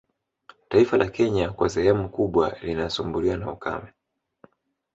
Taifa la Kenya kwa sehemu kubwa linasumbuliwa na ukame